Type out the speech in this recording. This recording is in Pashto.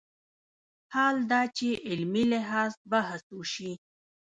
حال دا چې علمي لحاظ بحث وشي